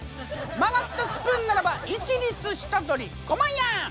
曲がったスプーンならば一律下取り５万円！